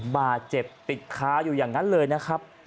บาดเจ็บติดค้าอยู่อย่างนั้นเลยนะครับ